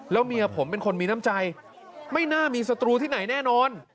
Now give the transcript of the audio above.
แล้วเมียผมเป็นคนมีน้ำใจไม่น่ามีศัตรูที่ไหนแน่นอน